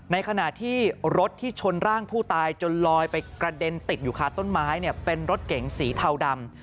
ในขณะที่รถที่ชนร่างผู้ตายจนลอยไปกระเด็นติดอยู่คาต้นไม้เนี่ยเป็นรถเก๋งสีเทาดำ